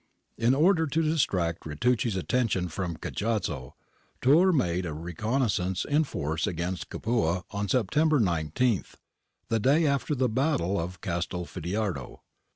In order to dis tract Ritucci's attention from Cajazzo, Turr made a re connaissance in force against Capua on September 19, the day after the battle of Castelfidardo.